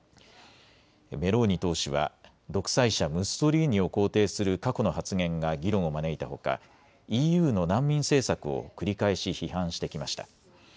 メローニ党首は独裁者ムッソリーニを肯定する過去の発言が議論を招いたほかＥＵの難民政策を繰り返し批判してきました。